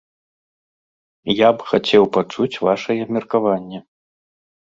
Я б хацеў пачуць вашае меркаванне.